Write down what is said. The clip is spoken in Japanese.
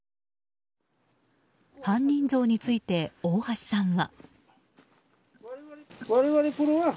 犯人像について大橋さんは。